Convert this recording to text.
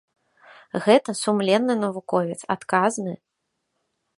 Гэта сумленны навуковец, адказны.